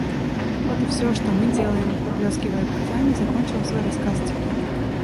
– Вот и все, что мы делаем, – поблескивая глазами, закончил свой рассказ Тимур.